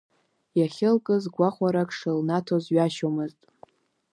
Иахьылкыз гәахәарак шылнаҭоз ҩашьомызт.